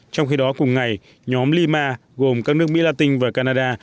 trong khi đó cùng ngày nhóm lima gồm các nước mỹ latin và canada